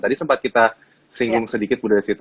tadi sempat kita singgung sedikit bu desi